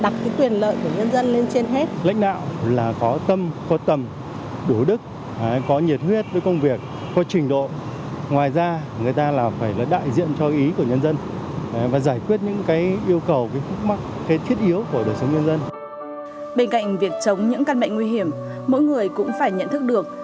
bên cạnh việc chống những căn bệnh nguy hiểm mỗi người cũng phải nhận thức được